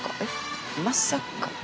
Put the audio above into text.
まさか。